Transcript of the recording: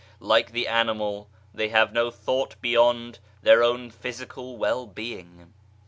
Like the animal, they have no thought beyond their own physical well being.